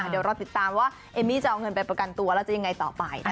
เดี๋ยวรอติดตามว่าเอมมี่จะเอาเงินไปประกันตัวแล้วจะยังไงต่อไป